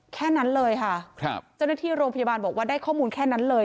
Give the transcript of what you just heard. แค่นั้นเลยค่ะครับเจ้าหน้าที่โรงพยาบาลบอกว่าได้ข้อมูลแค่นั้นเลย